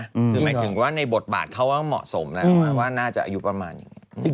คือหมายถึงว่าในบทบาทเขาว่าเหมาะสมแล้วว่าน่าจะอายุประมาณอย่างนี้